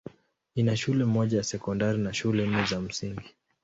Ina shule moja ya sekondari na shule nne za msingi.